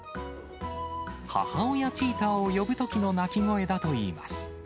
母親チーターを呼ぶときの鳴き声だといいます。